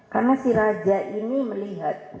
karena si raja ini melihat